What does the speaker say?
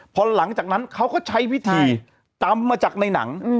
พอหลังจากนั้นเขาก็ใช้วิธีตำมาจากในหนัง